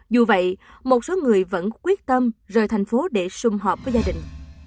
dù vậy một số người vẫn quyết tâm rời thành phố để xung họp với gia đình